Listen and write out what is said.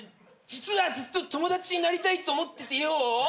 実はずっと友達になりたいと思っててよぉ。